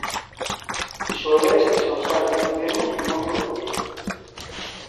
I suoi resti sono stati rinvenuti in Mongolia.